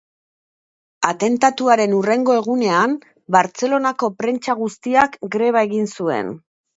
Atentatuaren hurrengo egunean Bartzelonako prentsa guztiak greba egin zuen.